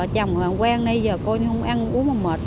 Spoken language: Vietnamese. chồng quen đây giờ cô không ăn uống mà mệt